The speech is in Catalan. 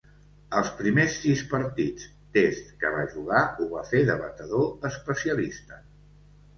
Els primers sis partits "test" que va jugar ho va fer de batedor especialista.